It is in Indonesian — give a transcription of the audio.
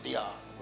tapi cuy enggak